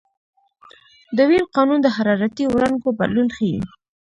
د وین قانون د حرارتي وړانګو بدلون ښيي.